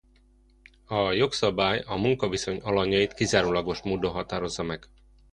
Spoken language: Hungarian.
A jogszabály a munkaviszony alanyait kizárólagos módon határozza meg.